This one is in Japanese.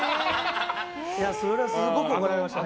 それはすごく怒られましたね。